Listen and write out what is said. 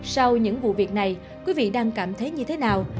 sau những vụ việc này quý vị đang cảm thấy như thế nào